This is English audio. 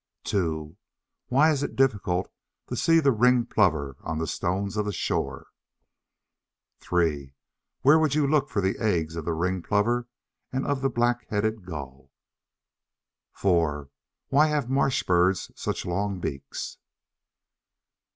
2. Why is it difficult to see the Ringed Plover on the stones of the shore? 3. Where would you look for the eggs of the Ringed Plover and of the Black headed Gull? 4. Why have marsh birds such long beaks?